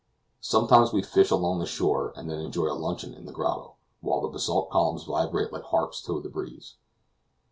Sometimes we fish along the shore, and then enjoy a luncheon in the grotto, while the basalt columns vibrate like harps to the breeze.